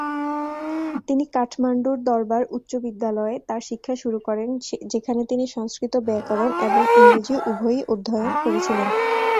তিনি কাঠমান্ডুর দরবার উচ্চ বিদ্যালয়ে তার শিক্ষা শুরু করেন, যেখানে তিনি সংস্কৃত ব্যাকরণ এবং ইংরেজি উভয়ই অধ্যয়ন করেছিলেন।